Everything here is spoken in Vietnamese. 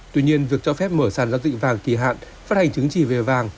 tuy nhiên việc cho phép mở sàn giao dịch vàng kỳ hạn phát hành chứng chỉ về vàng